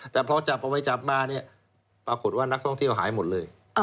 แต่พอจับเอาไปจับมาเนี่ยปรากฏว่านักท่องเที่ยวหายหมดเลย